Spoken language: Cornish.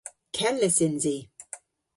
Kellys yns i.